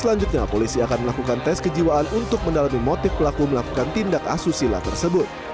selanjutnya polisi akan melakukan tes kejiwaan untuk mendalami motif pelaku melakukan tindak asusila tersebut